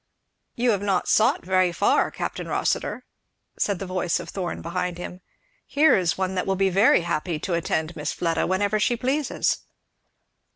"You have not sought very far, Capt. Rossitur," said the voice of Thorn behind him. "Here is one that will be very happy to attend Miss Fleda, whenever she pleases."